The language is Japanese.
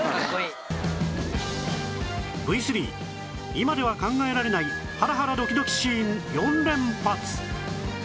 今では考えられないハラハラドキドキシーン４連発